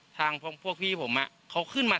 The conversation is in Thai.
ทางพวกพี่ผมเขาขึ้นมา